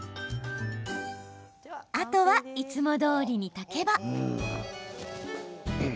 あとは、いつもどおりに炊けば。